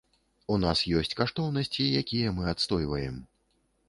У нас ёсць каштоўнасці, якія мы адстойваем.